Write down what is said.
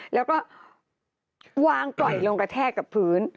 แล้วก็วางปล่อยลงกระแทกกับพื้น